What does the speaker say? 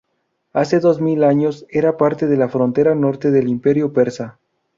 Hace dos mil años era parte de la frontera norte del Imperio persa.